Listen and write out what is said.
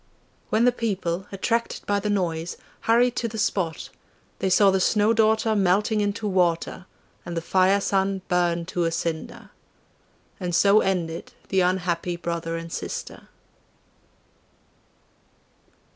When the people, attracted by the noise, hurried to the spot, they saw the Snow daughter melting into water and the Fire son burn to a cinder. And so ended the unhappy brother and sister.